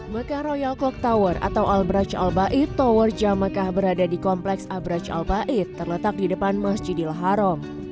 mekah royal clock tower atau al braj al baid tower jam mekah berada di kompleks al braj al baid terletak di depan masjid al haram